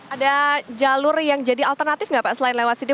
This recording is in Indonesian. ada jalur yang jadi alternatif nggak pak selain lewat sini